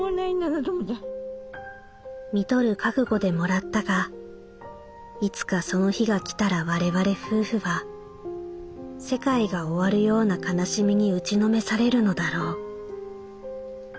「看取る覚悟でもらったがいつかその日が来たら我々夫婦は世界が終わるような悲しみに打ちのめされるのだろう」。